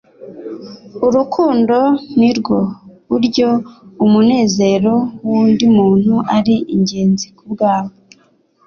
Urukundo nirwo buryo umunezero wundi muntu ari ingenzi kubwawe.”